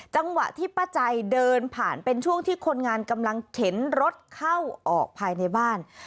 จังหวะที่ป้าใจเดินผ่านเป็นช่วงที่คนงานกำลังเข็นรถเข้าออกภายในบ้าน